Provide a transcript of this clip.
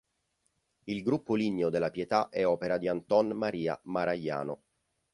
Il gruppo ligneo della "Pietà" è opera di Anton Maria Maragliano.